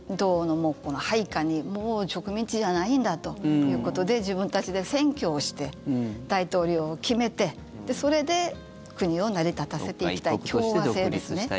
配下に、もう植民地じゃないんだということで自分たちで選挙をして大統領を決めてそれで国を成り立たせていきたい共和制ですね。